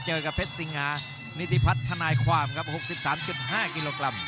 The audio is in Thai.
เจอกับเพชรสิงหานิติพัฒนธนายความครับ๖๓๕กิโลกรัม